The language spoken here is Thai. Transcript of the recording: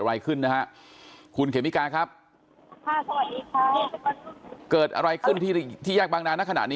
ต่างพฤษุนุมนะคะเริ่มพฤษิการตรงกลุ่ม